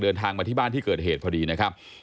เดินทางมาที่บ้านที่เกิดเหตุพอดีนะครับ